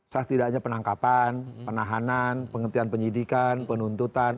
setidaknya penangkapan penahanan penghentian penyidikan penuntutan